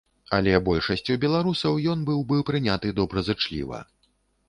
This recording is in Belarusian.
Але большасцю беларусаў ён быў бы прыняты добразычліва.